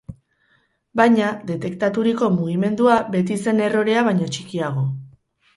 Baina, detektaturiko mugimendua beti zen errorea baino txikiagoa.